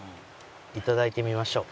いただいてみましょう。